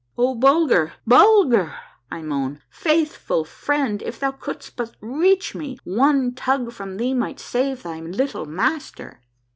" Oh, Bulger, Bulger," I moan, " faithful friend, if thou couldst but reach me, one tug from thee might save thy little master